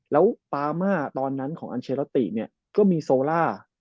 แล้วปามาตอนนั้นของอัลเชลาติเนี่ยก็มีโซล่า